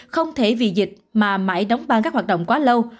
không thể vì dịch mà mãi đóng băng các hoạt động quá lâu